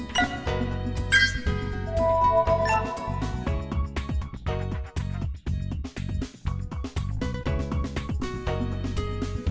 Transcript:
hẹn gặp lại